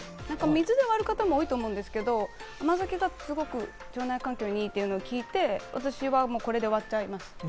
水で割る方も多いと思うんですけど、甘酒だと腸内環境にいいと聞いて、私はこれで割っちゃいます。